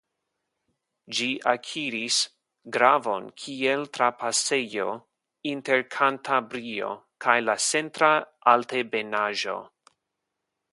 Ĝi akiris gravon kiel trapasejo inter Kantabrio kaj la Centra Altebenaĵo.